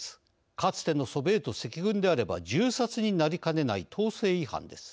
かつてのソビエト赤軍であれば銃殺になりかねない統制違反です。